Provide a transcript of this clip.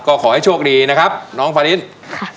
ก็ขอให้โชคดีนะครับน้องฟารินค่ะ